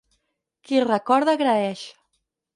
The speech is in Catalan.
Qui recorda agraeix.